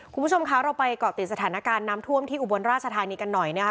คุณผู้ชมคะเราไปเกาะติดสถานการณ์น้ำท่วมที่อุบลราชธานีกันหน่อยนะคะ